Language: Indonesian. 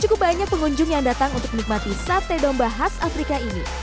cukup banyak pengunjung yang datang untuk menikmati sate domba khas afrika ini